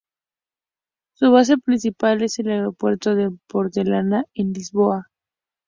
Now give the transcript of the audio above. Su base principal es el aeropuerto de Portela en Lisboa.